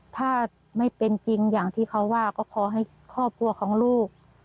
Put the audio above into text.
ถ้าไม่เป็นจริงอย่างที่เขาว่าก็ขอให้ครอบครัวของลูก